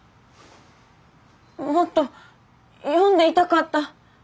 もっと読んでいたかった。